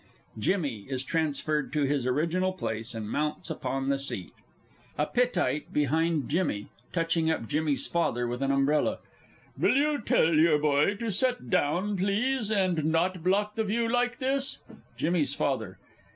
[JIMMY is transferred to his original place, and mounts upon the seat. A PITTITE BEHIND JIMMY (touching up JIMMY'S Father with an umbrella). Will you tell your little boy to set down, please, and not block the view like this? JIMMY'S FATHER.